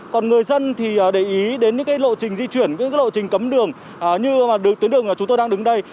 còn người dân thì để ý đến những cái lộ trình di chuyển những lộ trình cấm đường như tuyến đường chúng tôi đang đứng đây